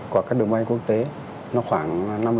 của các đường bay quốc tế nó khoảng năm mươi